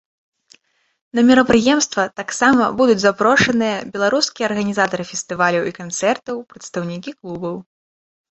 На мерапрыемства таксама будуць запрошаныя беларускія арганізатары фестываляў і канцэртаў, прадстаўнікі клубаў.